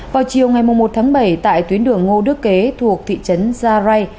vào chiều ngày một tháng bảy tại tuyến đường ngô đức kế thuộc thị trấn gia rai